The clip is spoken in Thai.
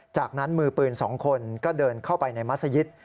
จากนั้นมือปืน๒คนก็เดินเข้าไปในมัศยิต